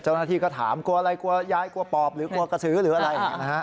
เจ้าหน้าที่ก็ถามกลัวอะไรกลัวยายกลัวปอบหรือกลัวกระสือหรืออะไรนะฮะ